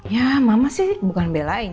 ya mama sih bukan belain